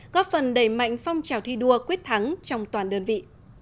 góp phần đẩy mạnh phong trào thi đua quyết thắng trong toàn đơn vị